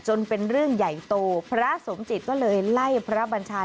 เป็นเรื่องใหญ่โตพระสมจิตก็เลยไล่พระบัญชา